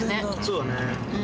そうだね